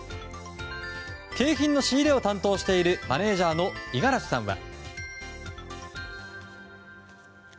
景品の仕入れを担当しているマネジャーの五十嵐さんは。